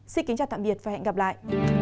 xin kính chào tạm biệt và hẹn gặp lại